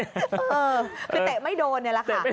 เออคือเตะไม่โดนนี่แหละค่ะ